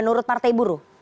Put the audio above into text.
menurut partai buruh